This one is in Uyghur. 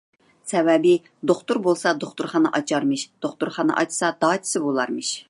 سەۋەبى، دوختۇر بولسا دوختۇرخانا ئاچارمىش، دوختۇرخانا ئاچسا داچىسى بولارمىش.